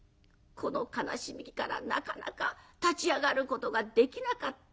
この悲しみからなかなか立ち上がることができなかった子。